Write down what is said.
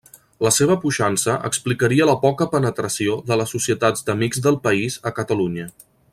La seva puixança explicaria la poca penetració de les Societats d'Amics del País a Catalunya.